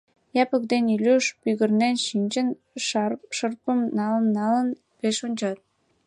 Япык ден Илюш, пӱгырнен шинчын, шырпым, налын-налын, пеш ончат.